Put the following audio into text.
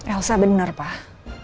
elsa benar pak